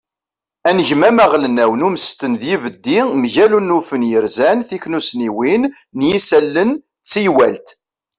anegmam aɣelnaw n umesten d yibeddi mgal unufen yerzan tiknussniwin n yisallen d teywalt